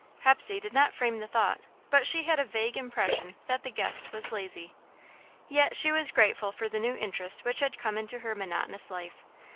Hepsey did not frame the thought, but she had a vague impression that the guest was lazy. Yet she was grateful for the new interest which had come into her monotonous life.